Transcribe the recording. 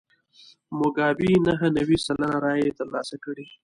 موګابي نهه نوي سلنه رایې ترلاسه کړې.